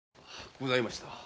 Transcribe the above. ございました。